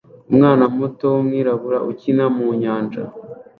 Umwana muto wumwirabura ukina mu nyanja